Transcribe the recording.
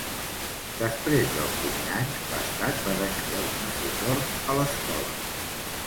Després del primer any, l'estat va deixar de donar suport a l'escola.